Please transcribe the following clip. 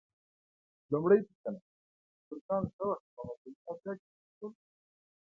لومړۍ پوښتنه: ترکان څه وخت په مرکزي اسیا کې مېشت شول؟